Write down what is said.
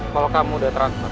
kalau kamu udah terangkan